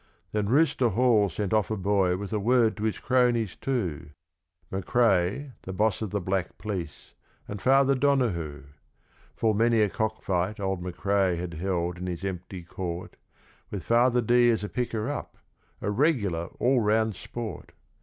Then Rooster Hall sent off a boy with word to his cronies two, McCrae (the boss of the Black Police) and Father Donahoo. Full many a cockfight old McCrae had held in his empty Court, With Father D. as a picker up a regular all round Sport!